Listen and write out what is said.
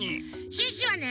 シュッシュはね。